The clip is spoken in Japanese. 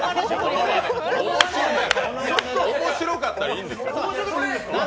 面白かったらいいんです。